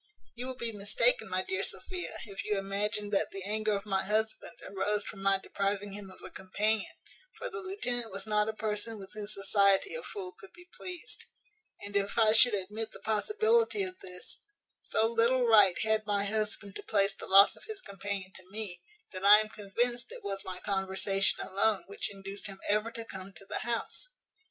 "You will be mistaken, my dear Sophia, if you imagine that the anger of my husband arose from my depriving him of a companion; for the lieutenant was not a person with whose society a fool could be pleased; and, if I should admit the possibility of this, so little right had my husband to place the loss of his companion to me, that I am convinced it was my conversation alone which induced him ever to come to the house.